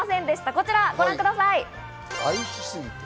こちらご覧ください。